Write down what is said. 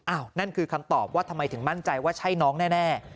นั่นคือคำตอบว่าทำไมถึงมั่นใจว่าใช่น้องแน่